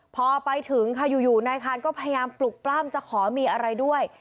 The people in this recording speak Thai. พอไปถึงค่ะอยู่นายคานก็พยายามปลุกปล้ำจะขอมีอะไรด้วย